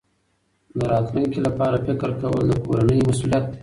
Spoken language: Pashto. د راتلونکي لپاره فکر کول د کورنۍ مسؤلیت دی.